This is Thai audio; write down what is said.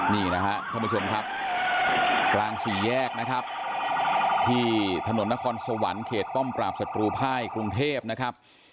นี่นะครับท่านผู้ชมครับกลางสี่แยกนะครับที่ถนนนครสวรรค์เขตป้อมปราบศัตรูภายกรุงเทพนะครับ